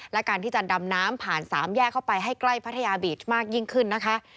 และการที่จะดำน้ำผ่านสามแยกเข้าไปให้ใกล้พัทยาบีชมากยิ่งขึ้นนะคะ